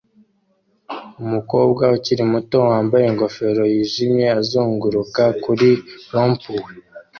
Umukobwa ukiri muto wambaye ingofero yijimye azunguruka kuri rompowe